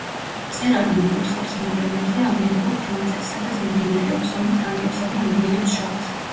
მწერალი მოგვითხრობს მოვლენებზე ამერიკულ ფრონტზე, სადაც მიმდინარეობს ომი ფრანგებსა და ინდიელებს შორის.